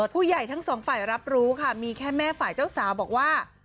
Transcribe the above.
ผู้ใหญ่ทั้งสองฝ่ายรับรู้ค่ะมีแค่แม่ฝ่ายเจ้าสาวบอกว่า